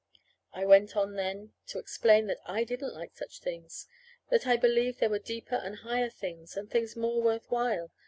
I went on then to explain that I didn't like such things; that I believed that there were deeper and higher things, and things more worth while.